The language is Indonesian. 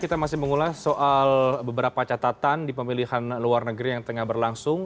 kita masih mengulas soal beberapa catatan di pemilihan luar negeri yang tengah berlangsung